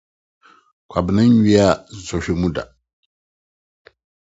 Kwabena nnwia sɔhwɛ mu da.